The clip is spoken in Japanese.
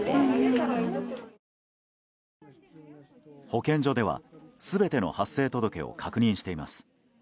保健所では全ての発生届を確認しています。